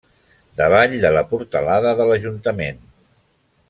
Davall de la portalada de l'ajuntament.